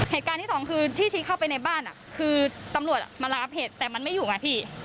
เหตุการณ์ที่สองคือที่ชี้เข้าไปในบ้านคือตำรวจมาระงับเหตุแต่มันไม่อยู่ไงพี่